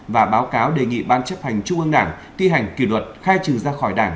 và báo cáo đề nghị ban chấp hành trung ương đảng thi hành kỷ luật khai trừ ra khỏi đảng